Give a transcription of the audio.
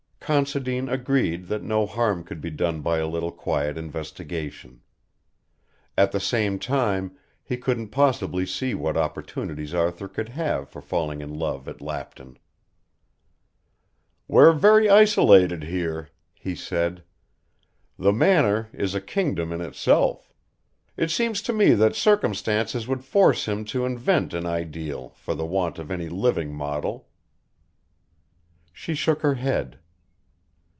Considine agreed that no harm could be done by a little quiet investigation. At the same time he couldn't possibly see what opportunities Arthur could have had for falling in love at Lapton. "We're very isolated here," he said. "The Manor is a kingdom in itself. It seems to me that circumstances would force him to invent an ideal for the want of any living model." She shook her head.